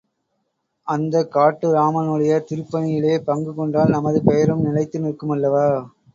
அந்த காட்டு ராமனுடைய திருப்பணியிலே பங்கு கொண்டால், நமது பெயரும் நிலைத்து நிற்குமல்லவா?